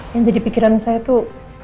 yang jadi pikiran saya tuh